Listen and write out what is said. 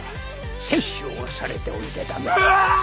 殺生をされておいでだな。